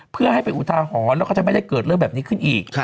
เพื่อให้เป็นอุทาหรณ์แล้วก็จะไม่ได้เกิดเรื่องแบบนี้ขึ้นอีก